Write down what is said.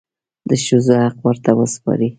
د ښځو حق ورته وسپارئ.